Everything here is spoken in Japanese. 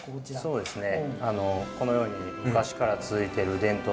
そうですね。